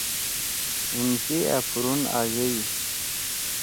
ہیِم سی أ پُھورُون آژئی۔